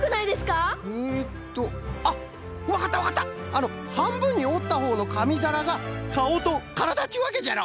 あのはんぶんにおったほうのかみざらがかおとからだっちゅうわけじゃろ？